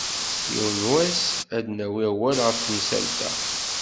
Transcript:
Yiwen n wass, ad d-nawi awal ɣef temsalt-a.